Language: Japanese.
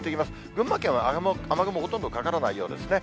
群馬県は雨雲ほとんどかからないようですね。